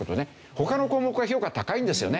他の項目は評価高いんですよね。